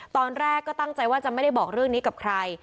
ตอนแรกก็ตั้งใจว่าจะไม่ได้บอกเรื่องนี้กับใคร